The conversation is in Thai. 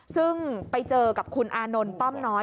ซึ่งไปเจอกับคุณอานนท์ป้อมน้อย